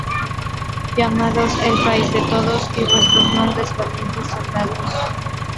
Llamados: "El País de Todos" y "Vuestros Nombres Valientes Soldados".